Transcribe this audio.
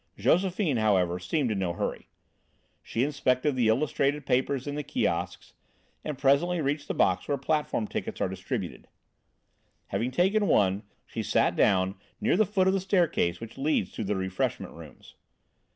Josephine, however, seemed in no hurry. She inspected the illustrated papers in the kiosks, and presently reached the box where platform tickets are distributed; having taken one, she sat down near the foot of the staircase which leads to the refreshment rooms.